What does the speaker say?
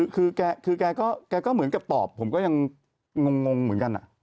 คือแกก็การตอบผมก็ยังงงเหมือนกัน